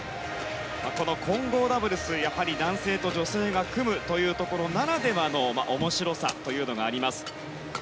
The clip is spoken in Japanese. この混合ダブルス、やはり男性と女性が組むというところならではの面白さというのがあります。